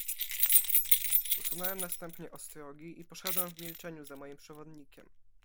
"Usunąłem następnie ostrogi i poszedłem w milczeniu za moim przewodnikiem."